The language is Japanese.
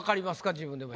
自分でも。